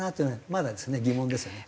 まだですね疑問ですよね。